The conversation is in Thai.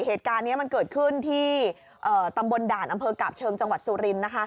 เหตุการณ์นี้มันเกิดขึ้นที่ตำบลด่านอำเภอกาบเชิงจังหวัดสุรินทร์